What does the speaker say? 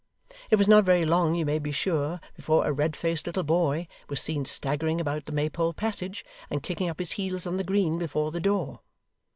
It was not very long, you may be sure, before a red faced little boy was seen staggering about the Maypole passage, and kicking up his heels on the green before the door.